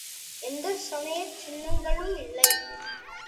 எந்தச் சமயச் சின்னங்களும் இல்லை.